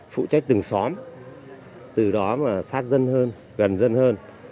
phụ trách từng xóm từ đó mà sát dân hơn gần dân hơn